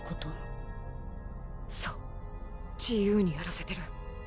そう自由にやらせてる。